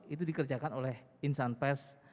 itu dikerjakan oleh insan pers